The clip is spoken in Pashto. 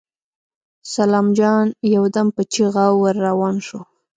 سلام جان يودم په چيغه ور روان شو.